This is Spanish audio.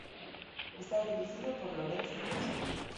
Está dirigido por Lorenzo Cesa.